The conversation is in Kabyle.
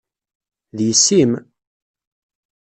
D yessi-m!